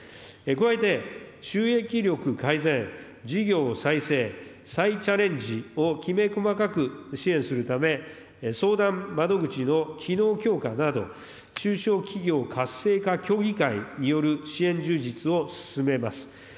加えて、収益力改善、事業再生、再チャレンジをきめ細かく支援するため、相談窓口の機能強化など、中小企業活性化協議会による支援充実を進めます。